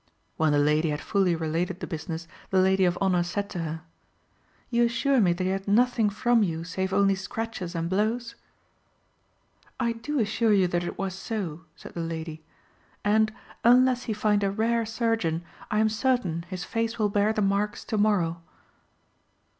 When the lady had fully related the business, the lady of honour said to her "You assure me that he had nothing from you save only scratches and blows?" "I do assure you that it was so," said the lady; "and, unless he find a rare surgeon, I am certain his face will bear the marks tomorrow."